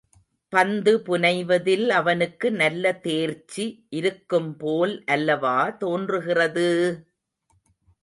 பந்து புனைவதில் அவனுக்கு நல்ல தேர்ச்சி இருக்கும்போல் அல்லவா தோன்றுகிறது!